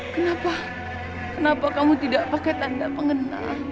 kenapa kenapa kamu tidak pakai tanda pengenal